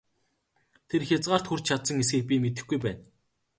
Тэр хязгаарт хүрч чадсан эсэхийг би мэдэхгүй байна!